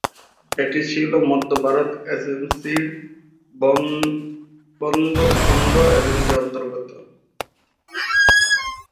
এটি ছিল মধ্য ভারত এজেন্সির বুন্দেলখণ্ড এজেন্সির অন্তর্গত।